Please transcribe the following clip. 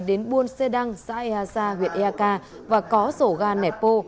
đến buôn xê đăng xã eha sa huyện eak và có sổ ga nẹt pô